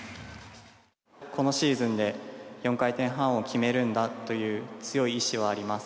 このシーズンで４回転半を決めるんだという強い意思はあります。